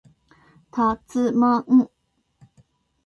たつまん